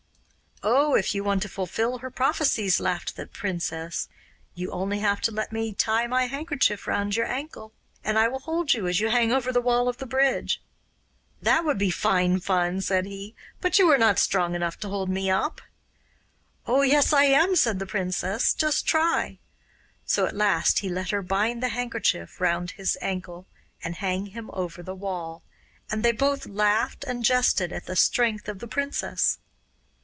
'Oh, if you want to fulfil her prophecies,' laughed the princess, 'you have only to let me tie my handkerchief round your ankle, and I will hold you as you hang over the wall of the bridge.' 'That would be fine fun,' said he; 'but you are not strong enough to hold me up.' 'Oh, yes, I am,' said the princess; 'just try.' So at last he let her bind the handkerchief round his ankle and hang him over the wall, and they both laughed and jested at the strength of the princess.